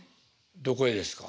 どこへですか？